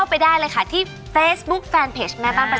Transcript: แล้วถ้าคุณผู้ชมคนไหนที่ดูไม่ทัน